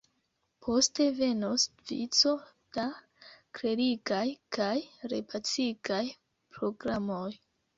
Poste venos vico da klerigaj kaj repacigaj programoj.